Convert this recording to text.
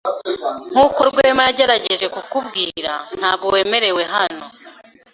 Nkuko Rwema yagerageje kukubwira, ntabwo wemerewe hano.